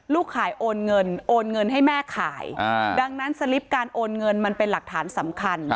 ขายโอนเงินโอนเงินให้แม่ขายดังนั้นสลิปการโอนเงินมันเป็นหลักฐานสำคัญ